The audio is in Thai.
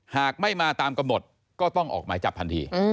หากไม่มาตามกำหนดก็ต้องออกหมายจับทันที